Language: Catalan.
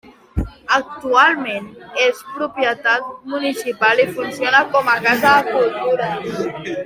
Actualment és propietat municipal i funciona com a Casa de Cultura.